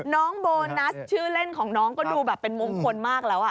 น้องโบนัสชื่อเล่นของน้องก็ดูแบบเป็นมงคลมากแล้ว